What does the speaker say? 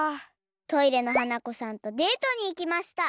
トイレの花子さんとデートにいきました。